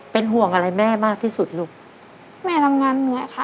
เป็นห่วงอะไรแม่มากที่สุดลูกแม่ทำงานเหนื่อยค่ะ